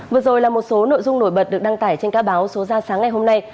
vừa rồi là một số nội dung nổi bật được đăng tải trên các báo số ra sáng ngày hôm nay